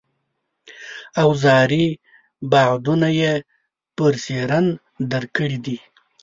اوزاري بعدونه یې برسېرن درک کړي دي.